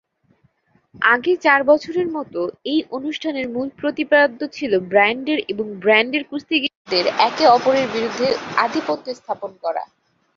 আগের চার বছরের মতো, এই অনুষ্ঠানের মূল প্রতিপাদ্য ছিল ব্র্যান্ডের এবং ব্র্যান্ডের কুস্তিগীরদের একে অপরের বিরুদ্ধে আধিপত্য স্থাপন করা।